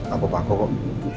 aku pangku kok